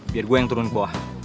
biar gue yang turun ke bawah